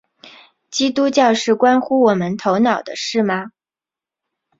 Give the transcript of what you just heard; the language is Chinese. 基督教是关乎我们头脑的事吗？